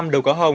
đầu cá hồng